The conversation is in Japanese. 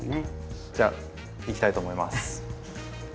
じゃいきたいと思います。